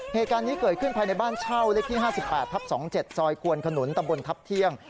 เหตุการณ์นี้เกิดขึ้นภายในบ้านเช่าเลขที่๕๘ทับ๒๗ซอยควนขนุนตำบลทัพเที่ยง